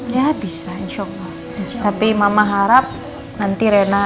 lagi masak ya